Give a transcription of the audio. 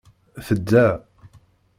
Tedda.